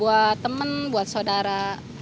buat temen buat saudara